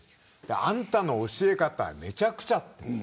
あんたの教え方めちゃくちゃ。